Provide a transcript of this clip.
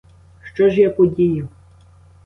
Що ж я подію?